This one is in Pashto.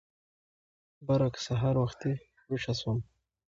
برعکس سهار وختي ويښه شوم.